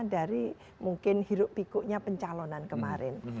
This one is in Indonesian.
dari mungkin hirup pikunya pencalonan kemarin